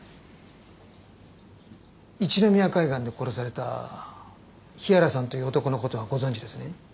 一宮海岸で殺された日原さんという男の事はご存じですね？